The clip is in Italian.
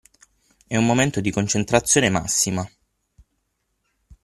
È un momento di concentrazione massima.